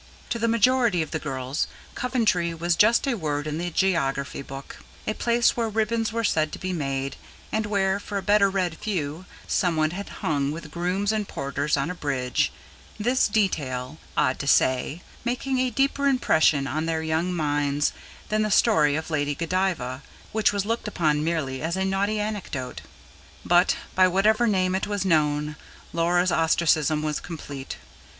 To the majority of the girls Coventry was just a word in the geography book, a place where ribbons were said to be made, and where for a better read few, some one had hung with grooms and porters on a bridge; this detail, odd to say, making a deeper impression on their young minds than the story of Lady Godiva, which was looked upon merely as a naughty anecdote. But, by whatever name it was known, Laura's ostracism was complete.